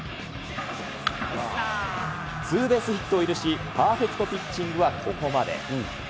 ツーベースヒットを許し、パーフェクトピッチングはここまで。